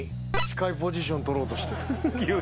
司会ポジション取ろうとしてる。